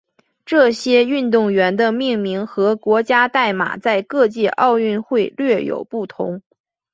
这些运动员的命名和国家代码在各届奥运会略有不同。